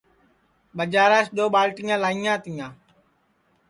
ٻجاراس دؔو ٻالٹیاں لائیںٚا تیاں